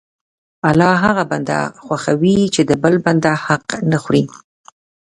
الله هغه بنده خوښوي چې د بل بنده حق نه خوري.